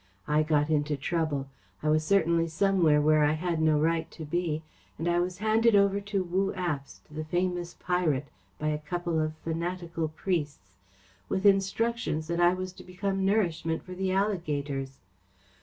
I got into trouble. I was certainly somewhere where I had no right to be, and I was handed over to Wu Abst, the famous pirate, by a couple of fanatical priests, with instructions that I was to become nourishment for the alligators.